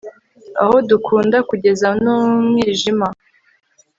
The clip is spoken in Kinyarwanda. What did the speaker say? aho dukunda kugeza 'umwijima